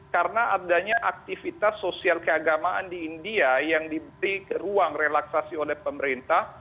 karena adanya aktivitas sosial keagamaan di india yang diberi ruang relaksasi oleh pemerintah